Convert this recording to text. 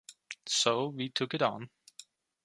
So we took it on.